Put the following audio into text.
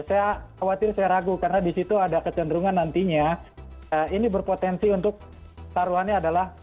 saya khawatir saya ragu karena di situ ada kecenderungan nantinya ini berpotensi untuk taruhannya adalah